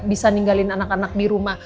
bisa ninggalin anak anak di rumah